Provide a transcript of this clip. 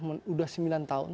sudah sembilan tahun